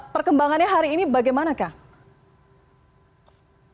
perkembangannya hari ini bagaimana kang